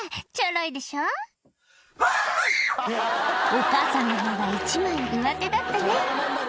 お母さんの方が一枚上手だったね